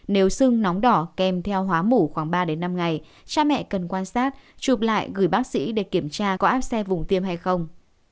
nếu sưng nóng đỏ kèm theo hóa mủ khoảng ba năm ngày cha mẹ cần quan sát chụp lại gửi bác sĩ để kiểm tra có áp xe vùng tiêm hay không